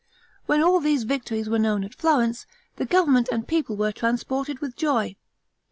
When all these victories were known at Florence, the government and people were transported with joy.